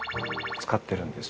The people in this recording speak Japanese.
使ってるんです。